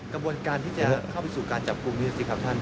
กระบวนการที่จะเข้าไปสู่การจับกลุ่มนี้สิครับท่าน